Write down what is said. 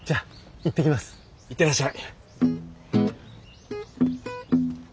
行ってらっしゃい。